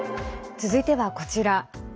続いては、こちら。